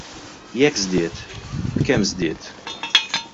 Jekk żdied, b'kemm żdied?